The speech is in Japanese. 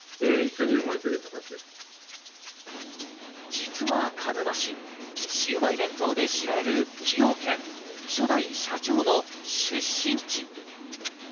実は鹿沼市、シウマイ弁当で知られる崎陽軒初代社長の出身地。